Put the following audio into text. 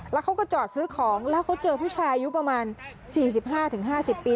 แล้วเขาก็จอดซื้อของแล้วเขาเจอผู้ชายอายุประมาณ๔๕๕๐ปี